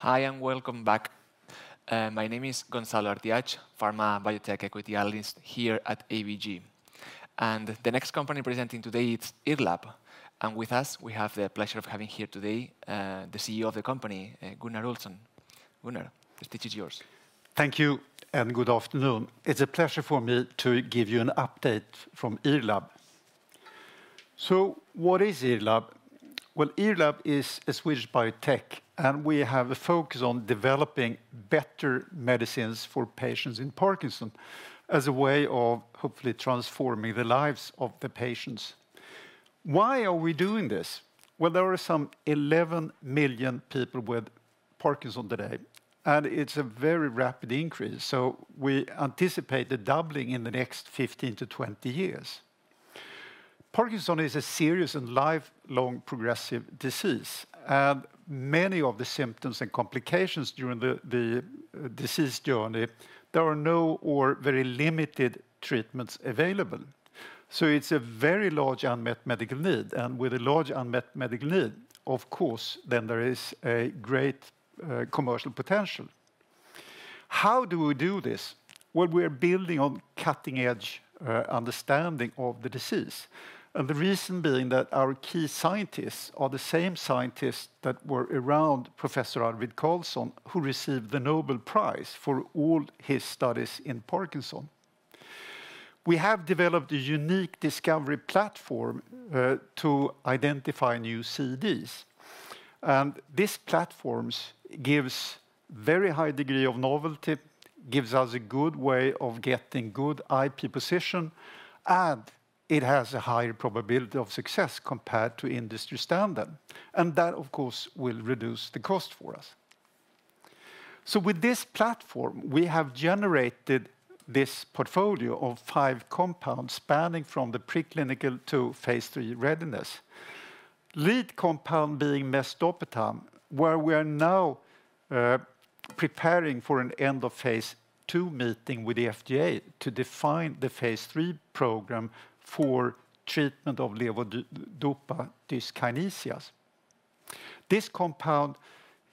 Hi, and welcome back. My name is Gonzalo Artiach, Pharma Biotech Equity Analyst here at ABG. The next company presenting today is IRLAB. With us, we have the pleasure of having here today the CEO of the company, Gunnar Olsson. Gunnar, the stage is yours. Thank you, and good afternoon. It's a pleasure for me to give you an update from IRLAB. So what is IRLAB? Well, IRLAB is a Swedish biotech, and we have a focus on developing better medicines for patients in Parkinson's, as a way of hopefully transforming the lives of the patients. Why are we doing this? Well, there are some 11 million people with Parkinson's today, and it's a very rapid increase, so we anticipate it doubling in the next 15 to 20 years. Parkinson's is a serious and lifelong progressive disease, and many of the symptoms and complications during the disease journey, there are no or very limited treatments available. So it's a very large unmet medical need, and with a large unmet medical need, of course, then there is a great commercial potential. How do we do this? Well, we're building on cutting-edge understanding of the disease. The reason being that our key scientists are the same scientists that were around Professor Arvid Carlsson, who received the Nobel Prize for all his studies in Parkinson's. We have developed a unique discovery platform to identify new CDs. These platforms gives very high degree of novelty, gives us a good way of getting good IP position, and it has a higher probability of success compared to industry standard. That, of course, will reduce the cost for us. So with this platform, we have generated this portfolio of five compounds spanning from the preclinical to phase III readiness. Lead compound being mesdopetam, where we are now preparing for an end-of-phase II meeting with the FDA to define the phase III program for treatment of levodopa dyskinesias. This compound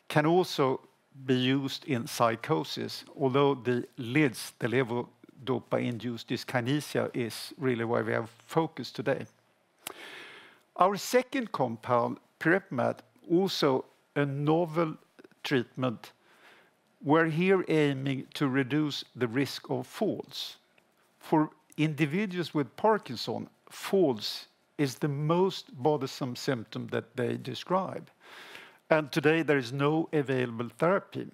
can also be used in psychosis, although the leads, the levodopa-induced dyskinesias, is really where we have focus today. Our second compound, pirepemat, also a novel treatment. We're here aiming to reduce the risk of falls. For individuals with Parkinson's, falls is the most bothersome symptom that they describe, and today there is no available therapy.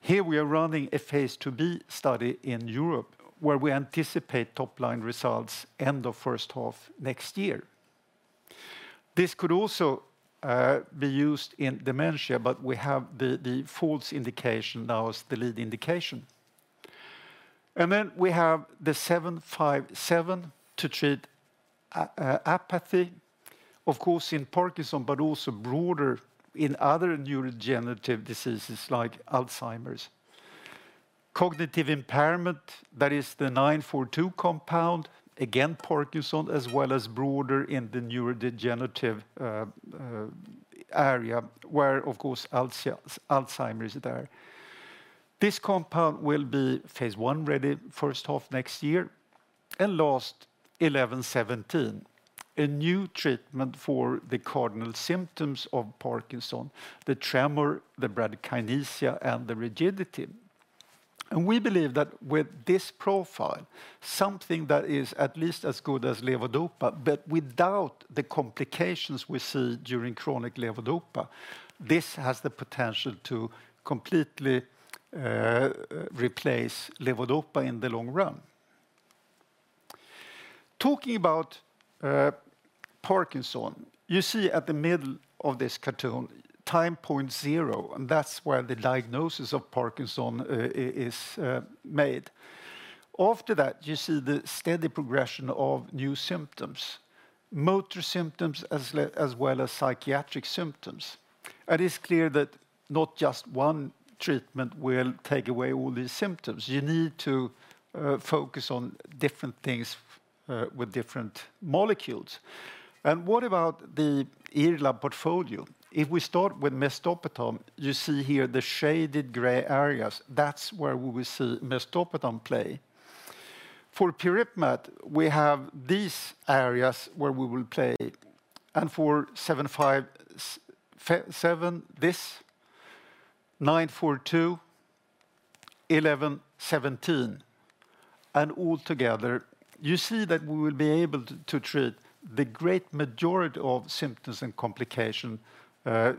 Here we are running a phase II-B study in Europe, where we anticipate top-line results end of first half next year. This could also be used in dementia, but we have the falls indication now as the lead indication. And then we have the IRL757 to treat apathy, of course, in Parkinson's, but also broader in other neurodegenerative diseases like Alzheimer's. Cognitive impairment, that is the IRL942 compound, again, Parkinson's, as well as broader in the neurodegenerative area, where, of course, Alzheimer's is there. This compound will be phase I-ready first half next year. And last, IRL1117, a new treatment for the cardinal symptoms of Parkinson's, the tremor, the bradykinesia, and the rigidity. And we believe that with this profile, something that is at least as good as levodopa, but without the complications we see during chronic levodopa, this has the potential to completely replace levodopa in the long run. Talking about Parkinson's, you see at the middle of this cartoon, time point 0, and that's where the diagnosis of Parkinson's is made. After that, you see the steady progression of new symptoms, motor symptoms, as well as psychiatric symptoms. It is clear that not just one treatment will take away all these symptoms. You need to focus on different things with different molecules. What about the IRLAB portfolio? If we start with mesdopetam, you see here the shaded gray areas. That's where we will see mesdopetam play. For pirepemat, we have these areas where we will play, and for IRL757, IRL942, IRL1117. Altogether, you see that we will be able to treat the great majority of symptoms and complication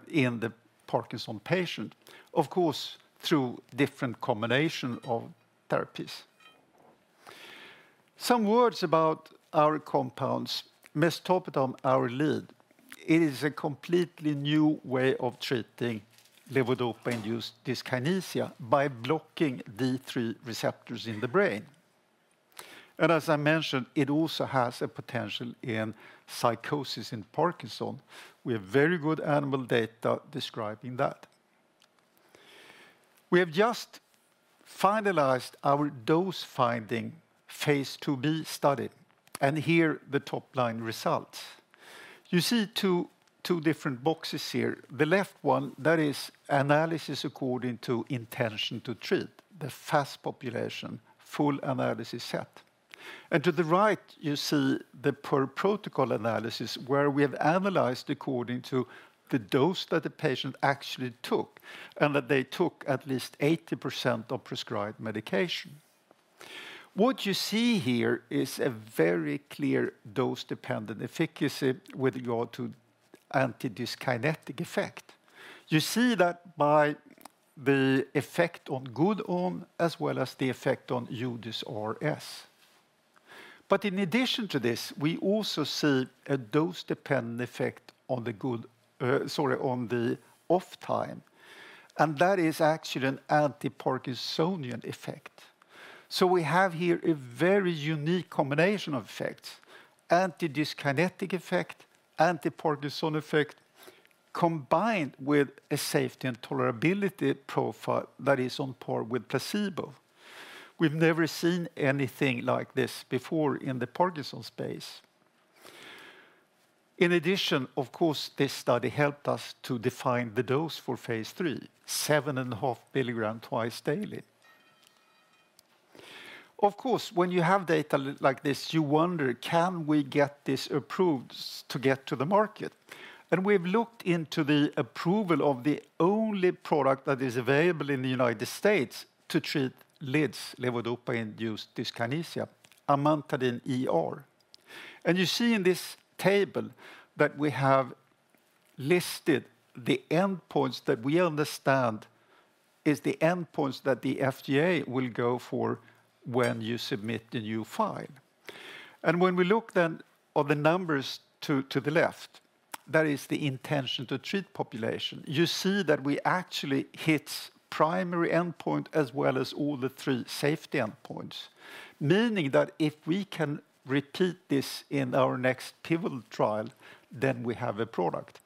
in the Parkinson's patient. Of course, through different combination of therapies. Some words about our compounds. Mesdopetam, our lead, it is a completely new way of treating levodopa-induced dyskinesia by blocking the D3 receptors in the brain. And as I mentioned, it also has a potential in psychosis in Parkinson's. We have very good animal data describing that.... We have just finalized our dose-finding phase II-B study, and here are the top-line results. You see two, two different boxes here. The left one, that is analysis according to intention to treat, the FAS population, full analysis set. And to the right, you see the per protocol analysis, where we have analyzed according to the dose that the patient actually took, and that they took at least 80% of prescribed medication. What you see here is a very clear dose-dependent efficacy with regard to antidyskinetic effect. You see that by the effect on good ON-time, as well as the effect on UDysRS. But in addition to this, we also see a dose-dependent effect on the good, sorry, on the OFF-time, and that is actually an antiparkinsonian effect. So we have here a very unique combination of effects: antidyskinetic effect, antiparkinsonian effect, combined with a safety and tolerability profile that is on par with placebo. We've never seen anything like this before in the Parkinson's space. In addition, of course, this study helped us to define the dose for phase III, 7.5 milligrams twice daily. Of course, when you have data like this, you wonder, can we get this approved to get to the market? And we've looked into the approval of the only product that is available in the United States to treat LIDs, levodopa-induced dyskinesia, amantadine ER. And you see in this table that we have listed the endpoints that we understand is the endpoints that the FDA will go for when you submit the new file. When we look then on the numbers to the left, that is the intention to treat population, you see that we actually hit primary endpoint as well as all the three safety endpoints. Meaning that if we can repeat this in our next pivotal trial, then we have a product.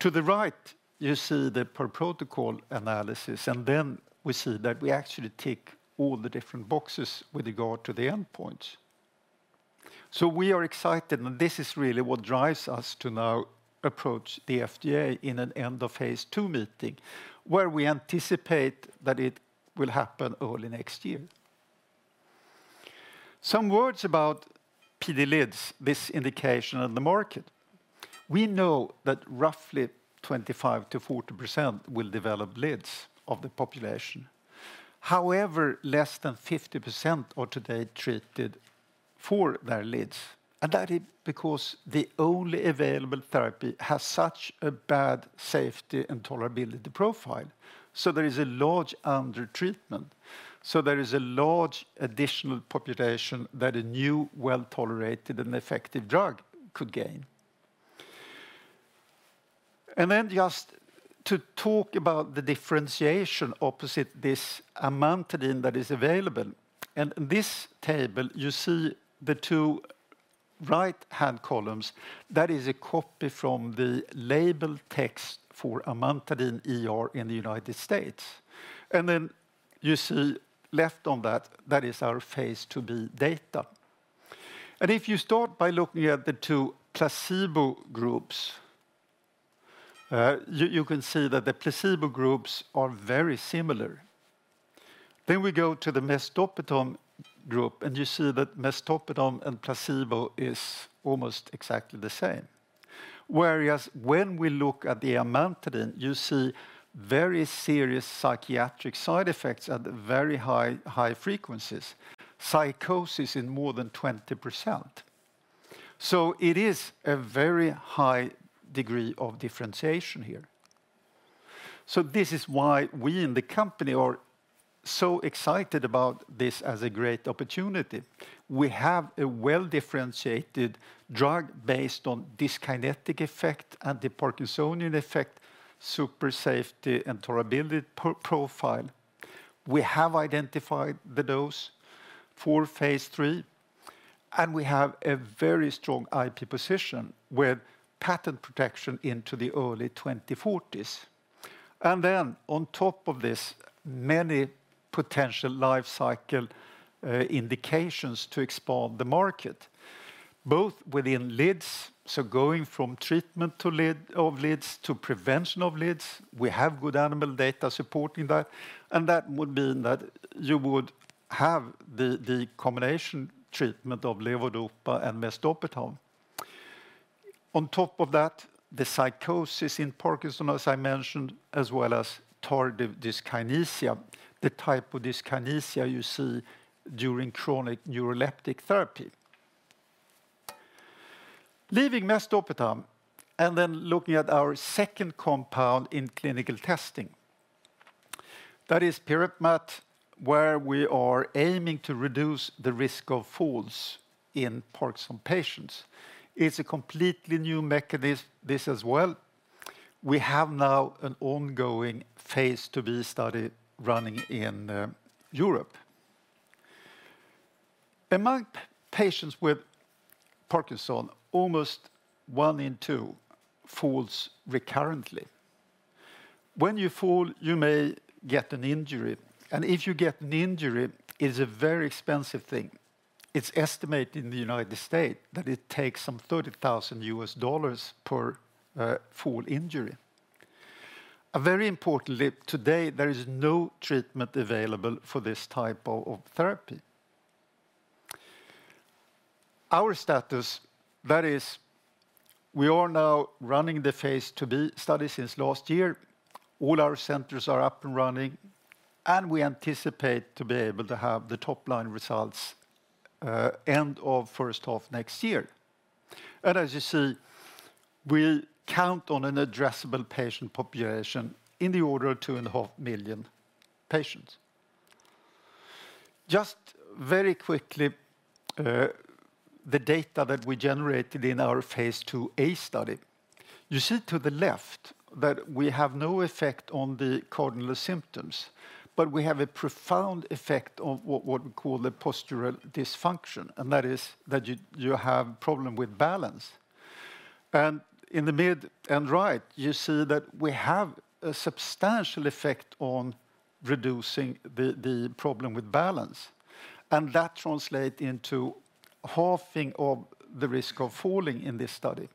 To the right, you see the per protocol analysis, and then we see that we actually tick all the different boxes with regard to the endpoints. So we are excited, and this is really what drives us to now approach the FDA in an end-of-phase II meeting, where we anticipate that it will happen early next year. Some words about PD-LIDs, this indication on the market. We know that roughly 25%-40% will develop LIDs of the population. However, less than 50% are today treated for their LIDs, and that is because the only available therapy has such a bad safety and tolerability profile. So there is a large undertreatment. So there is a large additional population that a new, well-tolerated, and effective drug could gain. And then just to talk about the differentiation opposite this amantadine that is available. In this table, you see the two right-hand columns, that is a copy from the label text for amantadine ER in the United States. And then you see left on that, that is our phase II-B data. And if you start by looking at the two placebo groups, you can see that the placebo groups are very similar. Then we go to the mesdopetam group, and you see that mesdopetam and placebo is almost exactly the same. Whereas when we look at the amantadine, you see very serious psychiatric side effects at very high, high frequencies, psychosis in more than 20%. So it is a very high degree of differentiation here. So this is why we in the company are so excited about this as a great opportunity. We have a well-differentiated drug based on dyskinetic effect, antiparkinsonian effect, super safety, and tolerability profile. We have identified the dose for phase III, and we have a very strong IP position with patent protection into the early 2040s. And then on top of this, many potential life cycle indications to expand the market, both within LIDs, so going from treatment of LIDs to prevention of LIDs. We have good animal data supporting that, and that would mean that you would have the combination treatment of levodopa and mesdopetam. On top of that, the psychosis in Parkinson's, as I mentioned, as well as tardive dyskinesia, the type of dyskinesia you see during chronic neuroleptic therapy. Leaving mesdopetam, and then looking at our second compound in clinical testing. That is pirepemat, where we are aiming to reduce the risk of falls in Parkinson's patients. It's a completely new mechanism, this as well. We have now an ongoing phase II-B study running in Europe. Among patients with Parkinson's, almost one in two falls recurrently. When you fall, you may get an injury, and if you get an injury, it's a very expensive thing. It's estimated in the United States that it takes some $30,000 per fall injury. Very importantly, today, there is no treatment available for this type of therapy. Our status, that is, we are now running the phase II-B study since last year. All our centers are up and running, and we anticipate to be able to have the top-line results end of first half next year. And as you see, we count on an addressable patient population in the order of 2.5 million patients. Just very quickly, the data that we generated in our phase II-A study. You see to the left that we have no effect on the cardinal symptoms, but we have a profound effect on what, what we call the postural dysfunction, and that is that you, you have problem with balance. And in the mid and right, you see that we have a substantial effect on reducing the, the problem with balance, and that translate into halving of the risk of falling in this study.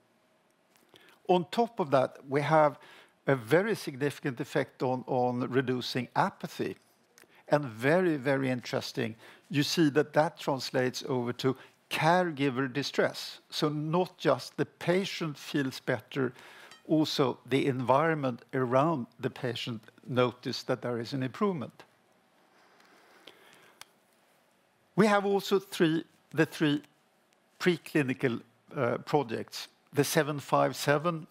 On top of that, we have a very significant effect on reducing apathy, and very, very interesting, you see that that translates over to caregiver distress. So not just the patient feels better, also the environment around the patient notice that there is an improvement. We have also the three preclinical projects. The IRL757,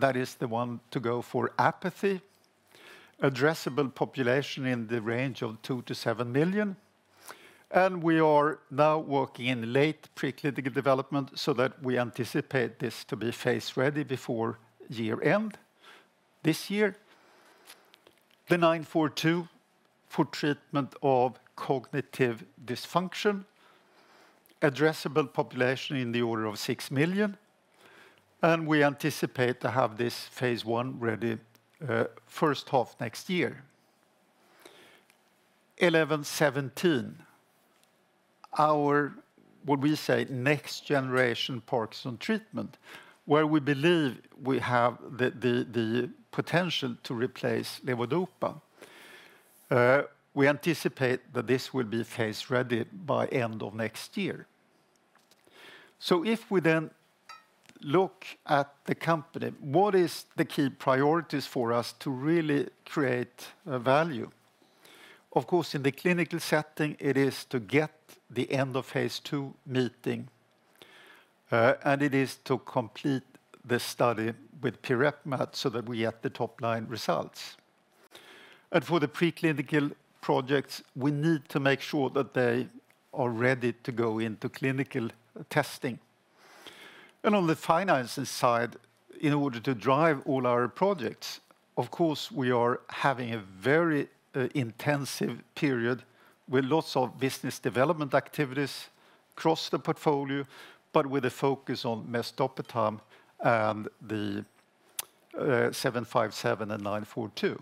that is the one to go for apathy, addressable population in the range of 2 million-7 million, and we are now working in late preclinical development so that we anticipate this to be phase-ready before year-end this year. The IRL942 for treatment of cognitive dysfunction, addressable population in the order of 6 million, and we anticipate to have this phase I ready, first half next year. IRL1117, our, what we say, next generation Parkinson's treatment, where we believe we have the, the, the potential to replace levodopa. We anticipate that this will be phase-ready by end of next year. So if we then look at the company, what is the key priorities for us to really create value? Of course, in the clinical setting, it is to get the end-of-phase II meeting, and it is to complete the study with pirepemat, so that we get the top-line results. For the preclinical projects, we need to make sure that they are ready to go into clinical testing. On the finances side, in order to drive all our projects, of course, we are having a very intensive period with lots of business development activities across the portfolio, but with a focus on mesdopetam and the IRL757 and IRL942.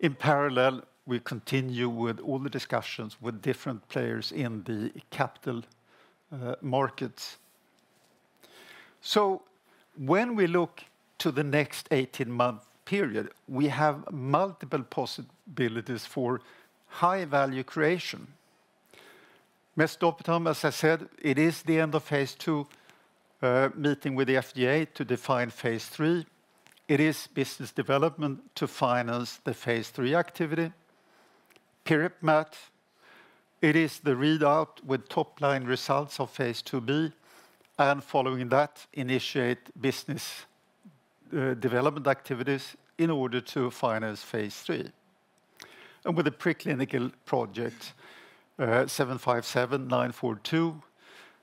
In parallel, we continue with all the discussions with different players in the capital markets. When we look to the next 18-month period, we have multiple possibilities for high-value creation. Mesdopetam, as I said, it is the end-of-phase II meeting with the FDA to define phase III. It is business development to finance the phase III activity. Pirepemat, it is the readout with top-line results of phase II-B, and following that, initiate business development activities in order to finance phase III. With the preclinical project IRL757, IRL942,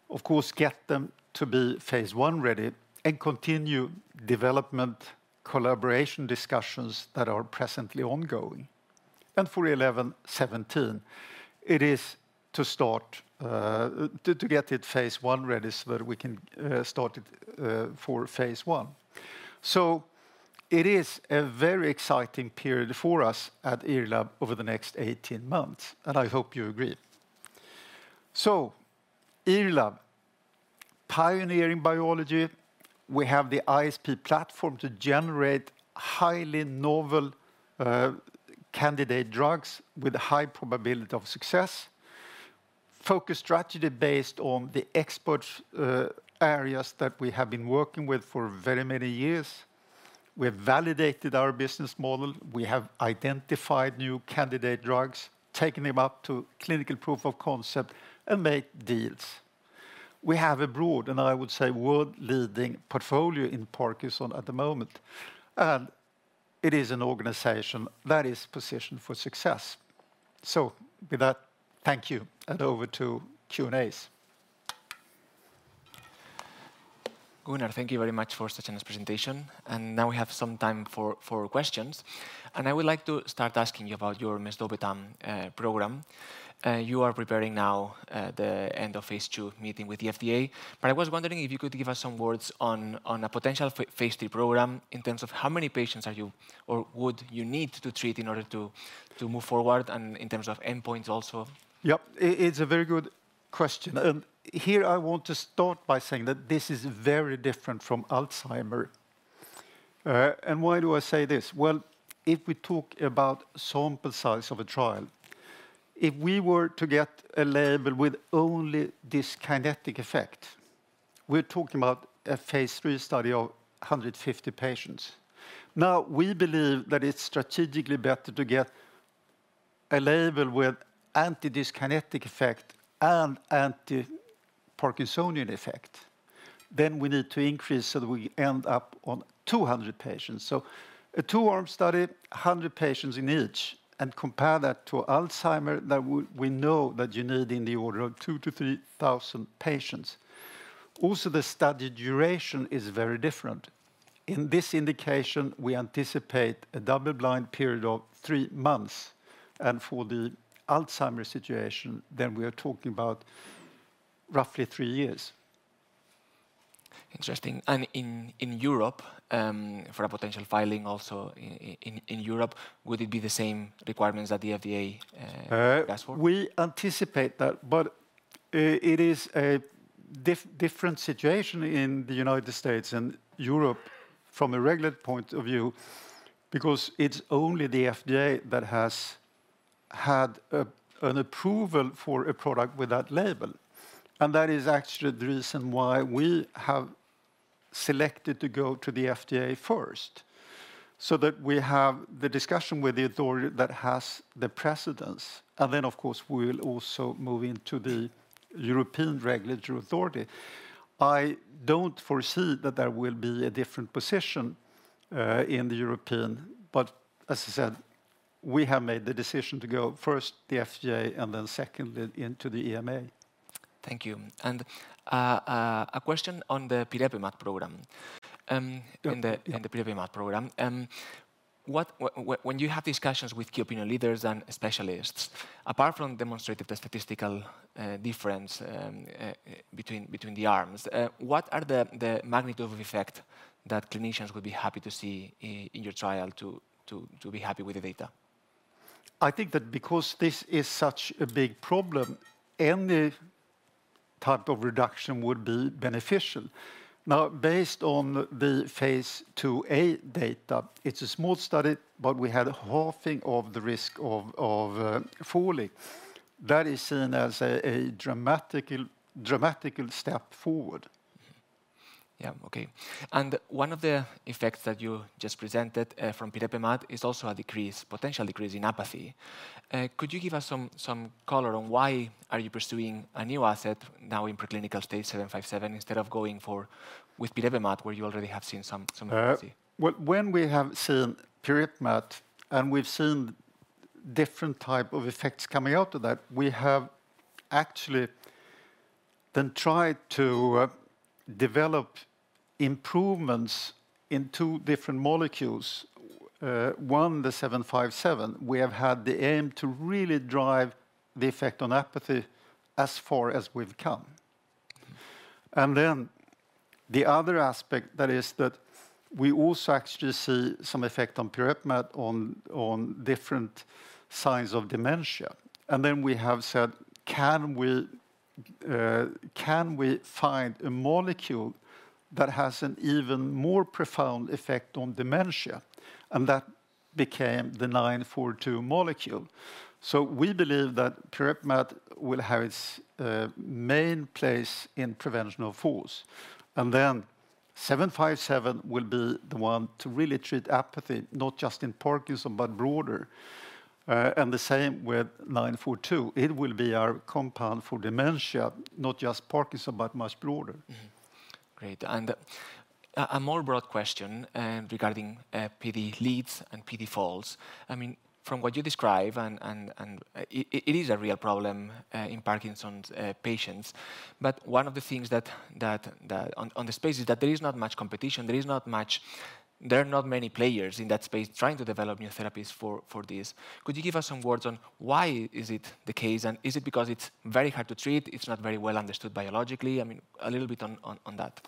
of course, get them to be phase I-ready and continue development collaboration discussions that are presently ongoing. For IRL1117, it is to start to get it phase I-ready, so that we can start it for phase I. It is a very exciting period for us at IRLAB over the next 18 months, and I hope you agree. So IRLAB, pioneering biology, we have the ISP platform to generate highly novel, candidate drugs with a high probability of success. Focused strategy based on the expert, areas that we have been working with for very many years. We have validated our business model. We have identified new candidate drugs, taken them up to clinical proof of concept, and made deals. We have a broad, and I would say, world-leading portfolio in Parkinson's at the moment, and it is an organization that is positioned for success. So with that, thank you, and over to Q&As.... Gunnar, thank you very much for such a nice presentation, and now we have some time for questions. I would like to start asking you about your mesdopetam program. You are preparing now the end-of-phase II meeting with the FDA, but I was wondering if you could give us some words on a potential phase III program in terms of how many patients are you or would you need to treat in order to move forward, and in terms of endpoints also? Yep, it's a very good question. Here, I want to start by saying that this is very different from Alzheimer's. And why do I say this? Well, if we talk about sample size of a trial, if we were to get a label with only this kinetic effect, we're talking about a phase III study of 150 patients. Now, we believe that it's strategically better to get a label with antidyskinetic effect and antiparkinsonian effect, then we need to increase so that we end up on 200 patients. So a two-arm study, 100 patients in each, and compare that to Alzheimer's, that we know that you need in the order of 2,000-3,000 patients. Also, the study duration is very different. In this indication, we anticipate a double-blind period of three months, and for the Alzheimer's situation, then we are talking about roughly three years. Interesting. And in Europe, for a potential filing also in Europe, would it be the same requirements that the FDA ask for? We anticipate that, but it is a different situation in the United States and Europe from a regular point of view, because it's only the FDA that has had an approval for a product with that label. And that is actually the reason why we have selected to go to the FDA first. So that we have the discussion with the authority that has the precedence, and then, of course, we will also move into the European Regulatory Authority. I don't foresee that there will be a different position in the European, but as I said, we have made the decision to go first the FDA and then secondly, into the EMA. Thank you. A question on the pirepemat program. Yep, yeah... in the pirepemat program. What, when you have discussions with key opinion leaders and specialists, apart from demonstrating the statistical difference between the arms, what are the magnitude of effect that clinicians would be happy to see in your trial to be happy with the data? I think that because this is such a big problem, any type of reduction would be beneficial. Now, based on the phase II-A data, it's a small study, but we had a halving of the risk of falling. That is seen as a dramatic, dramatical step forward. Yeah. Okay. And one of the effects that you just presented from pirepemat is also a decrease, potential decrease in apathy. Could you give us some, some color on why are you pursuing a new asset now in preclinical stage IRL757, instead of going for with pirepemat, where you already have seen some, some apathy? When we have seen pirepemat, and we've seen different type of effects coming out of that, we have actually then tried to develop improvements in two different molecules. One, the IRL757, we have had the aim to really drive the effect on apathy as far as we've come. And then the other aspect, that is that we also actually see some effect on pirepemat, on different signs of dementia. And then we have said, "Can we find a molecule that has an even more profound effect on dementia?" And that became the IRL942 molecule. So we believe that pirepemat will have its main place in prevention of falls. And then IRL757 will be the one to really treat apathy, not just in Parkinson's, but broader. And the same with IRL942. It will be our compound for dementia, not just Parkinson's, but much broader. Mm-hmm. Great. And a more broad question, regarding PD-LIDs and PD-Falls. I mean, from what you describe, and it is a real problem, in Parkinson's patients. But one of the things that on the space is that there is not much competition, there is not much... There are not many players in that space trying to develop new therapies for this. Could you give us some words on why is it the case, and is it because it's very hard to treat, it's not very well understood biologically? I mean, a little bit on that.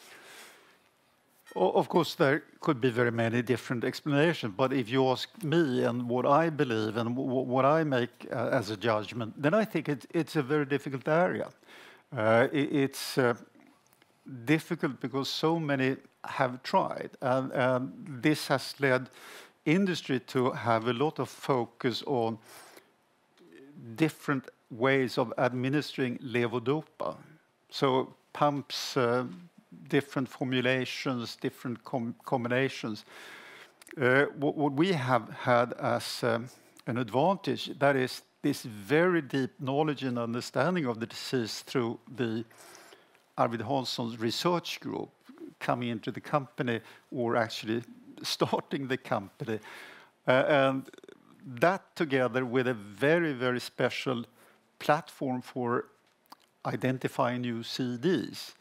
Of course, there could be very many different explanations, but if you ask me and what I believe and what I make as a judgment, then I think it, it's a very difficult area. It's difficult because so many have tried, and this has led industry to have a lot of focus on different ways of administering levodopa. So pumps, different formulations, different combinations. What we have had as an advantage, that is this very deep knowledge and understanding of the disease through the Arvid Carlsson Research Group coming into the company or actually starting the company. And that, together with a very, very special platform for identifying new CDs.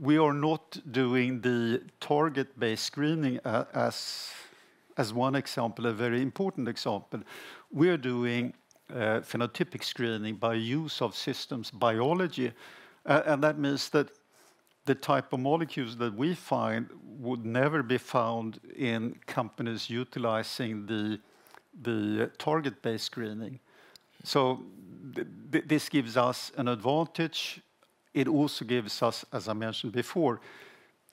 We are not doing the target-based screening as one example, a very important example. We are doing phenotypic screening by use of systems biology, and that means that the type of molecules that we find would never be found in companies utilizing the target-based screening. So this gives us an advantage. It also gives us, as I mentioned before,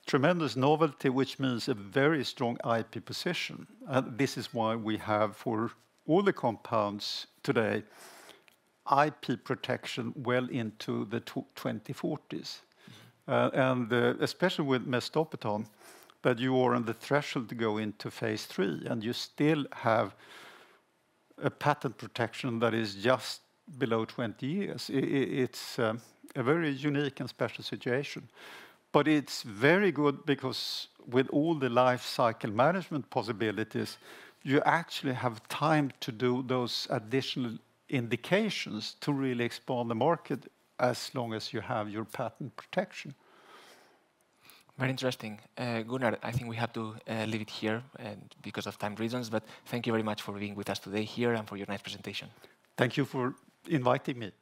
tremendous novelty, which means a very strong IP position. And this is why we have, for all the compounds today, IP protection well into the 2040s. And especially with mesdopetam, that you are on the threshold to go into phase III, and you still have a patent protection that is just below 20 years. It's a very unique and special situation, but it's very good because with all the life cycle management possibilities, you actually have time to do those additional indications to really explore the market as long as you have your patent protection. Very interesting. Gunnar, I think we have to leave it here and because of time reasons, but thank you very much for being with us today here and for your nice presentation. Thank you for inviting me.